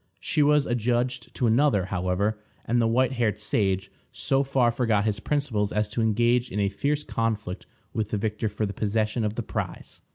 She was adjudged to another, however, and the white haired sage so far forgot his principles as to engage in a fierce conflict with the victor for the possession of the prize.